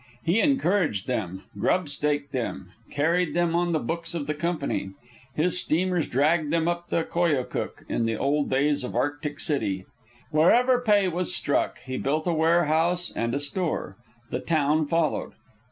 He encouraged them, grub staked them, carried them on the books of the company. His steamers dragged them up the Koyokuk in the old days of Arctic City. Wherever pay was struck he built a warehouse and a store. The town followed.